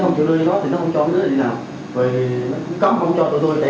mấy đứa này không cho mấy đứa này đi làm